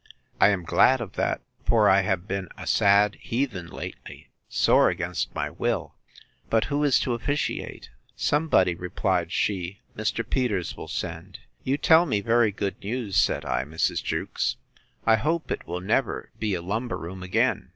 —I am glad of that; for I have been a sad heathen lately, sore against my will!—But who is to officiate?—Somebody, replied she, Mr. Peters will send. You tell me very good news, said I, Mrs. Jewkes: I hope it will never be a lumber room again.